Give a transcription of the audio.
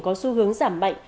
có xu hướng giảm mạnh